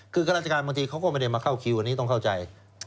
คือข้าราชการบางทีเขาก็ไม่ได้มาเข้าคิวอันนี้ต้องเข้าใจ